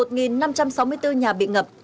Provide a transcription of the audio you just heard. một năm trăm sáu mươi bốn nhà bị ngập